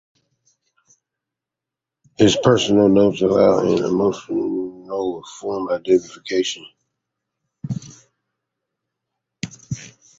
His personal notes allow an emotional form of identification.